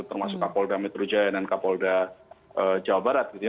termasuk kapolda metro jaya dan kapolda jawa barat gitu ya